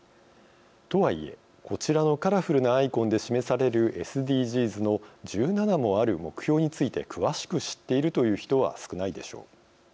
とはいえ、こちらのカラフルなアイコンで示されるＳＤＧｓの１７もある目標について詳しく知っているという人は少ないでしょう。